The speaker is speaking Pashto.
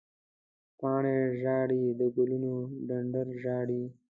پاڼې ژاړې، د ګلونو ډنډر ژاړې